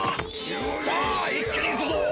さあいっきにいくぞ！